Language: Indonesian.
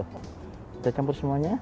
kita campur semuanya